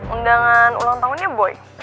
undangan ulang tahunnya boy